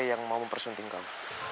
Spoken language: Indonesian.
yang mau mempersunting kau